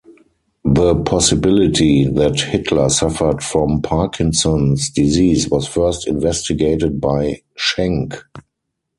The possibility that Hitler suffered from Parkinson's disease was first investigated by Schenck.